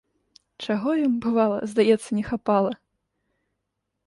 Чаго ім, бывала, здаецца, не хапала?